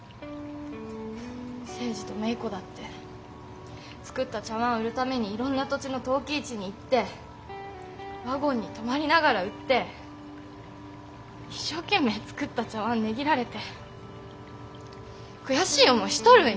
青爾と芽衣子だって作った茶碗売るためにいろんな土地の陶器市に行ってワゴンに泊まりながら売って一生懸命作った茶碗値切られて悔しい思いしとるんよ。